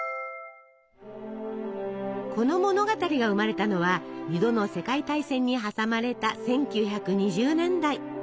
この物語が生まれたのは２度の世界大戦に挟まれた１９２０年代。